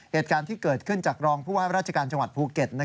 เหตุการณ์ที่เกิดขึ้นจากรองผู้ว่าราชการจังหวัดภูเก็ต